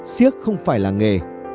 siếc không phải là nghề